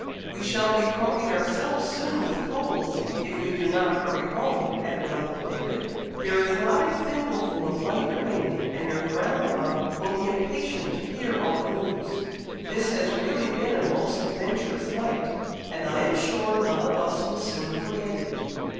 "We shall be croaking ourselves soon with colds, if we do not hurry home," added uncle David. "There is not a thimbleful of light remaining, and your grandmama will be impatient to hear all the news. This has really been a most adventurous night, and I am sure none of us will soon forget it."